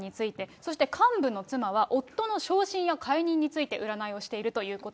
そして幹部の妻は夫の昇進や解任について占いをしているというこ